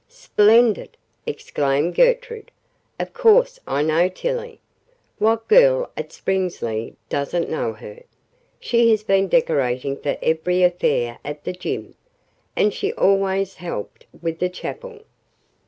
"Splendid!" exclaimed Gertrude. "Of course I know Tillie. What girl at Springsley doesn't know her? She has been decorating for every affair at the gym. And she always helped with chapel.